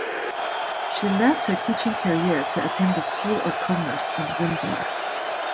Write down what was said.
She left her teaching career to attend the School of Commerce in Windsor.